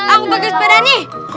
aku pakai sepeda nih